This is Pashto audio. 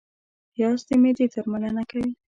پیاز د معدې درملنه کوي